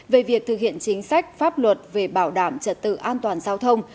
về việc thực hiện chính sách pháp luật về bảo đảm trật tự an toàn giao thông